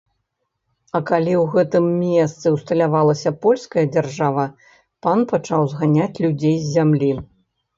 А калі ў гэтым месцы ўсталявалася польская дзяржава, пан пачаў зганяць людзей з зямлі.